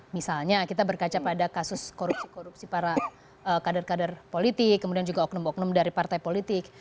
misalnya kita berkaca pada kasus korupsi korupsi para kader kader politik kemudian juga oknum oknum dari partai politik